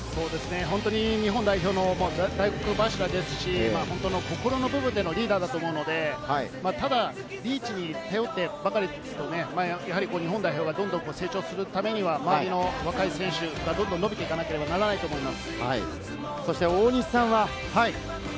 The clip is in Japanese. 日本代表の大黒柱ですし、心の部分でのリーダーだと思うので、ただリーチに頼ってばかりでは日本代表が成長するためには周りの若い選手もどんどん伸びていかなければならないと思います。